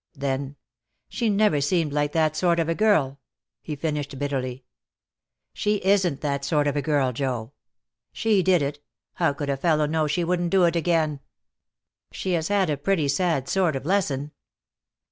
Then: "She never seemed like that sort of a girl," he finished, bitterly. "She isn't that sort of girl, Joe." "She did it. How could a fellow know she wouldn't do it again?" "She has had a pretty sad sort of lesson."